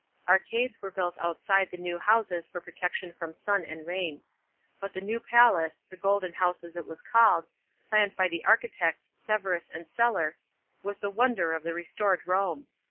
Arcades were built outside the new houses for protection from sun and rain. But the new palace — the Golden House as it was called — planned by the architects Severus and Celer, was the wonder of the restored Rome.